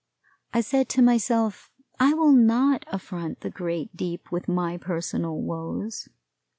I said to myself, I will not affront the great deep with my personal woes.